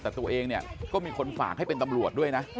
แต่ตัวเองเนี่ยก็มีคนฝากให้เป็นตำรวจด้วยนะ